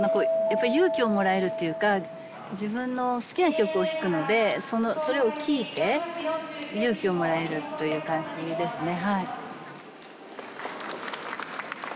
やっぱり勇気をもらえるっていうか自分の好きな曲を弾くのでそれを聴いて勇気をもらえるという感じですね。